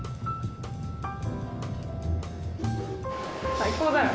最高だよ。